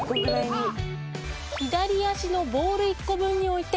左足のボール１個分に置いて。